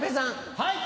はい。